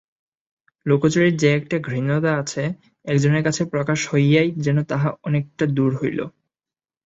লুকোচুরির যে-একটা ঘৃণ্যতা আছে, একজনের কাছে প্রকাশ হইয়াই যেন তাহা অনেটা দূর হইল।